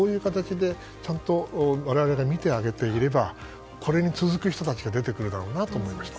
ちゃんと我々が見てあげていればこれに続く人たちが出てくるだろうなと思いました。